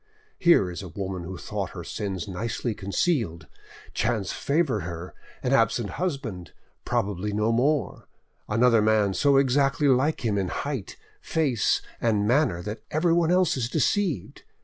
Here is a woman who thought her sins nicely concealed; chance favoured her: an absent husband, probably no more; another man so exactly like him in height, face, and manner that everyone else is deceived!